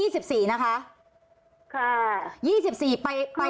เอาวันที่๒๔นะคะ